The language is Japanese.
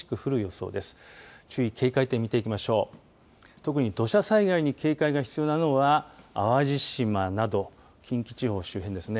特に土砂災害に警戒が必要なのは淡路島など近畿地方周辺ですね。